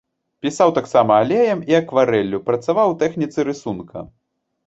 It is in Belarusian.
Пісаў таксама алеем і акварэллю, працаваў у тэхніцы рысунка.